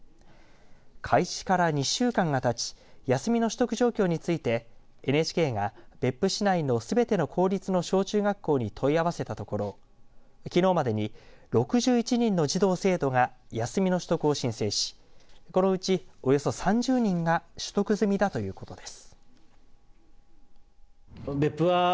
開始から２週間がたち休みの取得状況についてＮＨＫが別府市内のすべての公立の小中学校に問い合わせたところきのうまでに６１人の児童、生徒が休みの取得を申請しこのうち、およそ３０人が取得済みだということです。